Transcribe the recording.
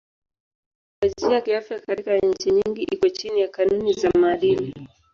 Fani ya saikolojia kiafya katika nchi nyingi iko chini ya kanuni za maadili.